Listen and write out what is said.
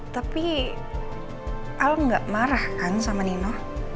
tapi al gak marah kan sama nino